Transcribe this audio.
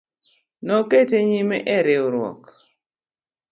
Nokete nyime e riwruok